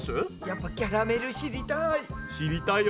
やっぱキャラメル知りたい。